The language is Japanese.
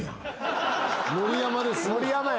盛山ですね。